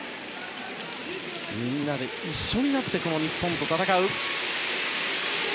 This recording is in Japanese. みんなで一緒になって日本と戦う。